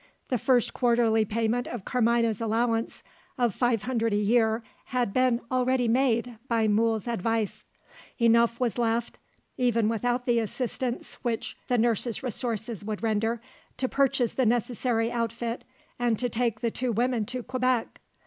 The first quarterly payment of Carmina's allowance of five hundred a year had been already made, by Mool's advice. Enough was left even without the assistance which the nurse's resources would render to purchase the necessary outfit, and to take the two women to Quebec.